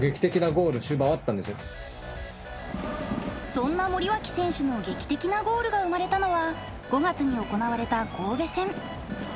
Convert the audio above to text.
そんな森脇選手の劇的なゴールが生まれたのは５月に行われた神戸戦。